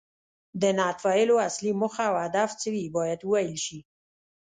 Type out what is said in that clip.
د نعت ویلو اصلي موخه او هدف څه وي باید وویل شي.